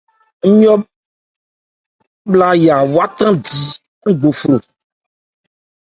Ńmyɔ́ bhwalyá wa thandi ngbophro.